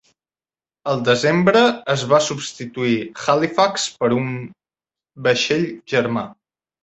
El desembre es va substituir "Halifax" per un vaixell germà.